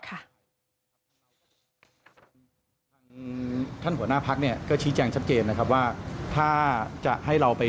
ทางท่านหัวหน้าพักเนี่ยก็ชี้แจงชัดเจนนะครับว่าถ้าจะให้เราไป